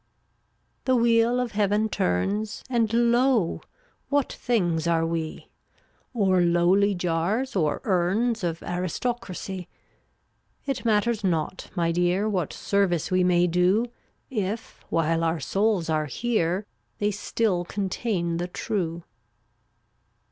358 The Wheel of Heaven turns And lo! What things are we: Or lowly jars, or urns Of aristocracy. It matters not, my Dear, What service we may do, If while our souls are here They still contain the true.